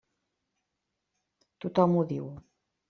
Tothom ho diu.